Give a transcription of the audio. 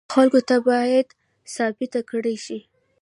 خلکو ته باید ثابته کړای شي.